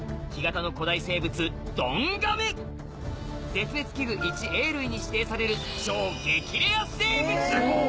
絶滅危惧Ａ類に指定される超激レア生物。